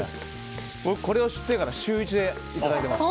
これを知ってから週１でいただいています。